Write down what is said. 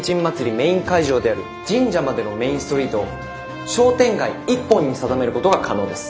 メイン会場である神社までのメインストリートを商店街一本に定めることが可能です。